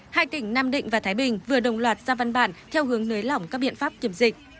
hai tỉnh nam định và thái bình vừa đồng loạt ra văn bản theo hướng nới lỏng các biện pháp kiểm dịch